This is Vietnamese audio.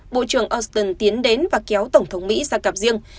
bộ trưởng austin tiến đến và kéo tổng thống mỹ sang cặp riêng